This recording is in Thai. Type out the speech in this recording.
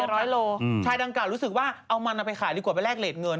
ร้อยโลอืมชายดังกล่ารู้สึกว่าเอามันเอาไปขายดีกว่าไปแลกเลสเงิน